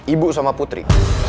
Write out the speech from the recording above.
ibu sama putri